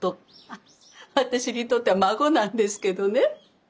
あっ私にとっては孫なんですけどね。